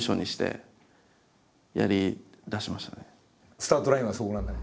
スタートラインはそこなんだね。